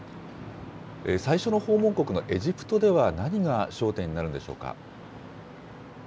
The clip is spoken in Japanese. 最初の訪問国のエジプトでは何が焦点になるんでしょうか。